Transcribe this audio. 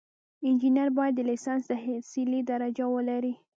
انجینر باید د لیسانس تحصیلي درجه ولري.